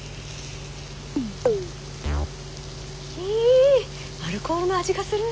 ひアルコールの味がする！